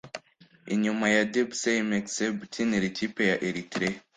inyuma ya Debesay Mekseb ukinira ikipe ya Eritrea